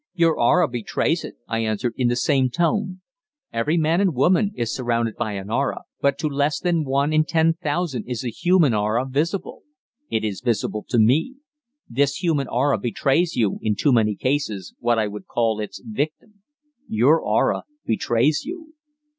"Your aura betrays it," I answered in the same tone. "Every man and woman is surrounded by an aura, but to less than one in ten thousand is the human aura visible. It is visible to me. The human aura betrays, in too many cases, what I would call its 'victim.' Your aura betrays you."